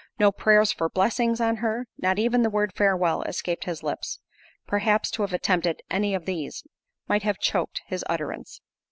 No "Prayers for blessings on her." Not even the word "Farewell," escaped his lips—perhaps, to have attempted any of these, might have choaked his utterance.